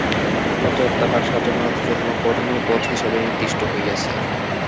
অতএব তাঁহার সাধনার জন্য কর্মই পথ-হিসাবে নির্দিষ্ট হইয়াছে।